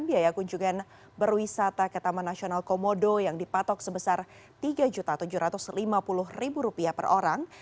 biaya kunjungan berwisata ke taman nasional komodo yang dipatok sebesar rp tiga tujuh ratus lima puluh per orang